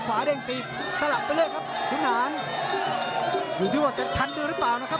ขวาเร่งตีสลับไปเลยครับหันท์อยู่ที่หวังจะทันด้วยหรือเปล่านะครับ